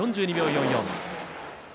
４２秒４４。